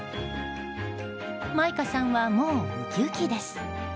マイカさんは、もうウキウキです。